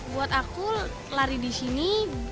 buat aku lari di sini